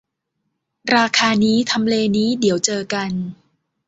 ราคานี้ ทำเลนี้ เดี๋ยวเจอกัน